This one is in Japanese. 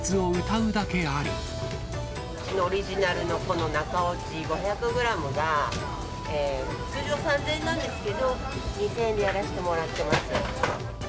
うちのオリジナルの中落ち、５００グラムが、通常３０００円なんですけど、２０００円でやらせてもらってます。